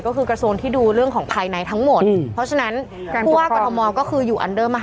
ก็คือกระโซนที่ดูเรื่องของภายในทั้งหมดอืมเพราะฉะนั้นผู้ว่ากระทรวงมอสก็คืออยู่